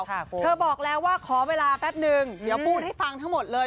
เธอบอกแล้วว่าขอเวลาแป๊บนึงเดี๋ยวพูดให้ฟังทั้งหมดเลย